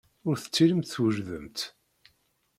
Ur tettilimt twejdemt.